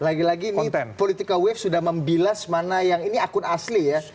jadi lagi ini politika wave sudah membilas mana yang ini akun asli ya